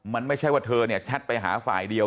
มันไม่ใช่ว่าเธอเนี่ยแชทไปหาฝ่ายเดียว